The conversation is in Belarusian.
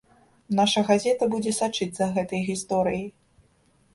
Наша газета будзе сачыць за гэтай гісторыяй.